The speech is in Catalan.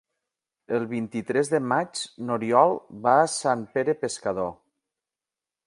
El vint-i-tres de maig n'Oriol va a Sant Pere Pescador.